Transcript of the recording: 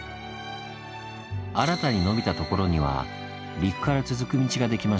新たに伸びた所には陸から続く道ができました。